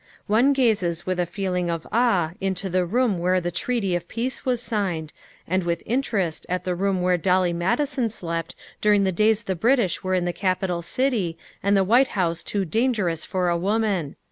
One gazes with a feeling of awe into the room where the treaty of peace THE SECRETARY OF STATE 89 was signed, and with interest at the room where Dolly Madison slept during the days the British were in the Capitol City and the White House too dangerous for a woman.